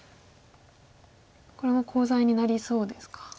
これもコウ材になりそうですか。